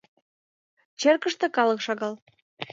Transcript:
Черкыште калык шагал.